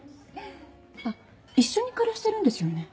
一緒に暮らしてるんですよね？